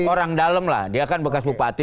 orang dalam lah dia kan bekas bupati